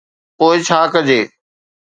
پوءِ ڇا ڪجي؟